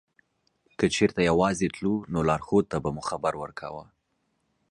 که چېرته یوازې تلو نو لارښود ته به مو خبر ورکاوه.